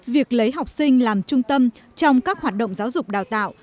việc lấy học sinh làm trung tâm trong các hoạt động giáo dục đào tạo